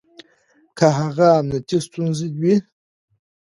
که هغه امنيتي ستونزې وي